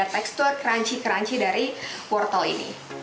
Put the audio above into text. terbaik dari wortel ini